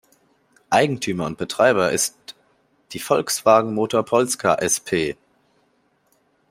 Eigentümer und Betreiber ist die Volkswagen Motor Polska Sp.